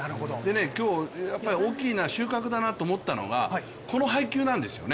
今日、大きな収穫だと思ったのが、この配球なんです。